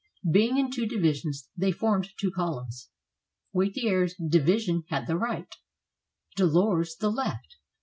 Being in two divisions, they formed two columns; Wathier's division had the right, Delord's the left.